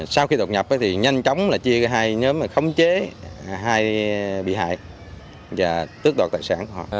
sau khi đột nhập thì nhanh chóng là chia hai nhóm khống chế hai bị hại và tước đoạt tài sản của họ